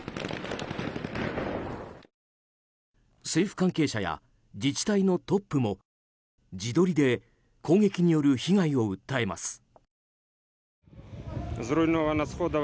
政府関係者や自治体のトップも自撮りで攻撃による被害を訴えます。